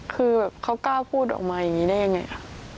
คือแบบเขากล้าพูดออกมาอย่างนี้ได้ยังไงค่ะ